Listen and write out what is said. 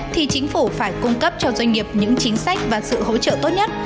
thì chính phủ phải cung cấp cho doanh nghiệp những chính sách và sự hỗ trợ tốt nhất